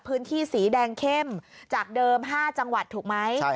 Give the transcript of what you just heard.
พื้นที่สีแดงเข้มจากเดิม๕จังหวัดถูกไหม